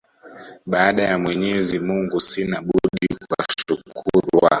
Baada ya Mwenyezi mungu sina budi kuwashukuru kwa